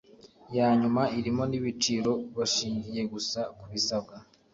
ya nyuma irimo n ibiciro bashingiye gusa ku bisabwa